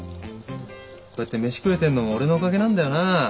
こうやって飯食えてるのも俺のおかげなんだよな。